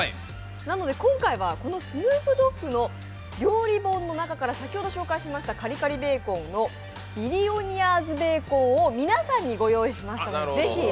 なので今回はこのスヌープ・ドッグの料理本の中から先ほど紹介しましたカリカリベーコンのビリオニアーズ・ベーコンを皆さんにご用意しました。